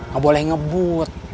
gak boleh ngebut